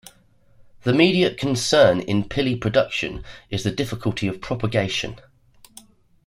The immediate concern in pili production is the difficulty of propagation.